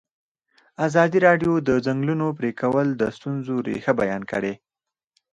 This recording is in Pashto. ازادي راډیو د د ځنګلونو پرېکول د ستونزو رېښه بیان کړې.